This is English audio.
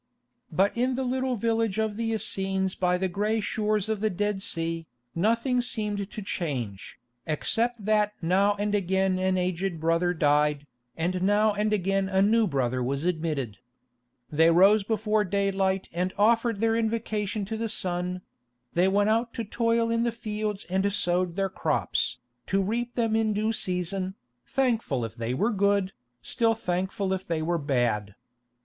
But in the little village of the Essenes by the grey shores of the Dead Sea, nothing seemed to change, except that now and again an aged brother died, and now and again a new brother was admitted. They rose before daylight and offered their invocation to the sun; they went out to toil in the fields and sowed their crops, to reap them in due season, thankful if they were good, still thankful if they were bad.